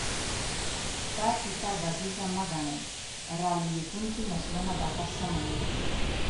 دا کیسې بابیزه مه ګڼئ، را لویېدونکي نسلونه دا هر څه مني.